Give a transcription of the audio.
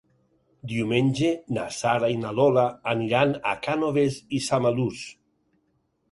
Diumenge na Sara i na Lola aniran a Cànoves i Samalús.